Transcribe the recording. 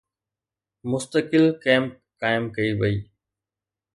مستقل ڪئمپ قائم ڪئي وئي